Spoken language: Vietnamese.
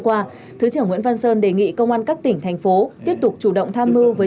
qua thứ trưởng nguyễn văn sơn đề nghị công an các tỉnh thành phố tiếp tục chủ động tham mưu với